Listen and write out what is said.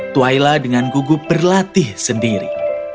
twaila dengan gugup berlatih sendiri